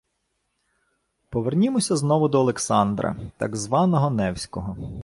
Повернімося знову до Олександра, так званого Невського